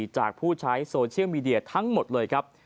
จากผู้ใช้โซเชียลมีเดียทั้งหมดเลยครับ